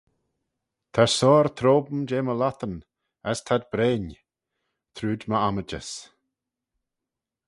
Ta soar trome jeh my lhottyn, as t'ad breinn: trooid my ommijys.